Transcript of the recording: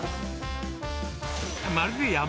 まるで山。